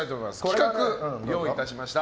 企画を用意いたしました。